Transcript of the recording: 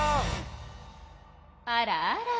あらあら。